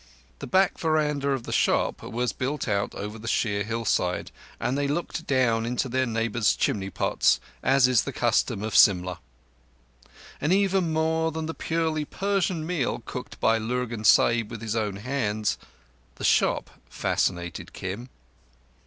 The back veranda of the shop was built out over the sheer hillside, and they looked down into their neighbours' chimney pots, as is the custom of Simla. But even more than the purely Persian meal cooked by Lurgan Sahib with his own hands, the shop fascinated Kim.